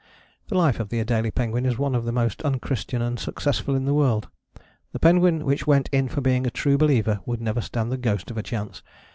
The life of an Adélie penguin is one of the most unchristian and successful in the world. The penguin which went in for being a true believer would never stand the ghost of a chance.